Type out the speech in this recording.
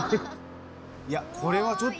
いやこれはちょっと。